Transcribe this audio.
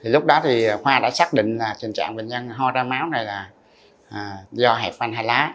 lúc đó khoa đã xác định trình trạng bệnh nhân hoa ra máu là do hẹp văn hai lá